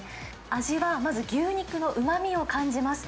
味はまず、牛肉のうまみを感じます。